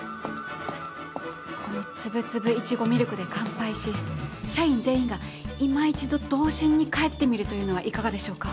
このつぶつぶいちごミルクで乾杯し社員全員がいま一度童心に返ってみるというのはいかがでしょうか。